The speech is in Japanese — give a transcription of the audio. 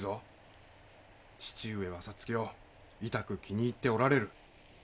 義父上は皐月をいたく気に入っておられる。